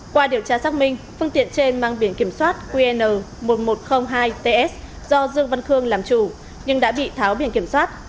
qua điều tra xác minh phương tiện trên mang biển kiểm soát qn một nghìn một trăm linh hai ts do dương văn khương làm chủ nhưng đã bị tháo biển kiểm soát